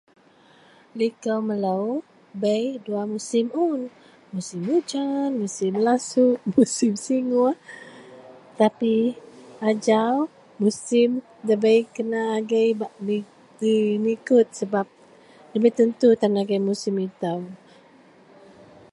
Likou melou bei dua musim un, musim ujan musim lasuk, musim singuoh tapi ajau musim ndabei kena agei tan bak nikut sebab ndabei tentu tan agei musim itou